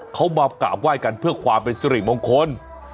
เขามากราบไหว้กันเพื่อความเป็นสุริมงคล